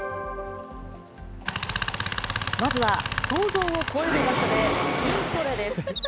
まずは想像を超える場所で筋トレです。